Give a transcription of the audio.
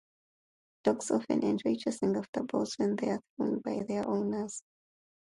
Dogs often enjoy chasing after balls when they are thrown by their owners.